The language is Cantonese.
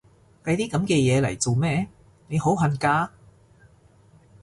計啲噉嘅嘢嚟做咩？，你好恨嫁？